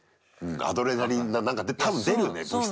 アドレナリン何か多分出るね物質が。